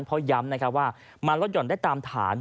เพราะย้ำนะครับว่ามาลดหย่อนได้ตามฐาน